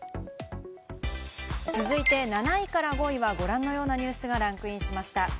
続いて７位５位はご覧のようなニュースがランクインしました。